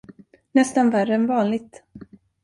Nästan värre än vanligt.